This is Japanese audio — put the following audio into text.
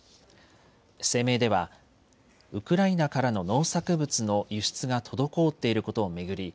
声明ではウクライナからの農作物の輸出が滞っていることを巡り